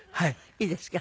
いいですか？